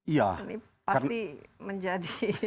ini pasti menjadi